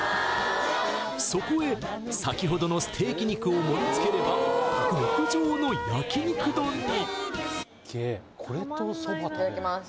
そこへ先ほどのステーキ肉を盛りつければ極上の焼肉丼にいただきます